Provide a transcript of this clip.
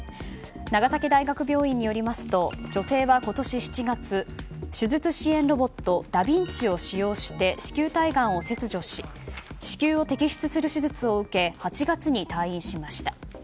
長崎大学病院によりますと女性は今年７月手術支援ロボットダビンチを使用して子宮体がんを切除し子宮を摘出する手術を受け８月に退院しました。